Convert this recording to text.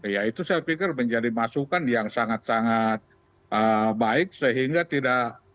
ya itu saya pikir menjadi masukan yang sangat sangat baik sehingga tidak